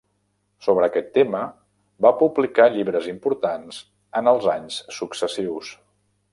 Sobre aquest tema va publicar llibres importants en els anys successius.